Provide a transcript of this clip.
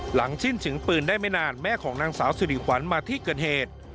หลังสิ้นเสียงปืนได้ไม่นานแม่ของนางสาวสิริขวัญมาที่เกิดเหตุ